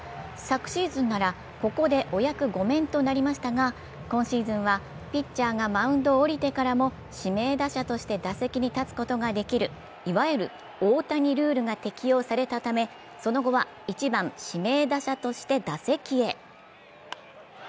昨シーズンならここでお役御免となりましたが今シーズンはピッチャーがマウンドを降りてからも指名打者として打席に立つことができるいわゆる大谷ルールが適用されたため、その後は１番・指名打者として打席へ。